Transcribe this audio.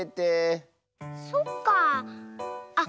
そっかあ。